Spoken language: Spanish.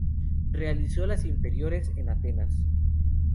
Realizó las inferiores en Atenas.